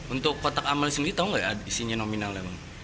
untuk kotak amal sendiri tau nggak isinya nominal